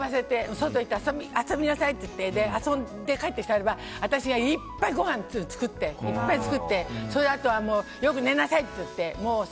外に行って遊びなさいって言って遊んで帰ってきたらば私がいっぱいごはんを作ってそれであとはよく寝なさいって言って。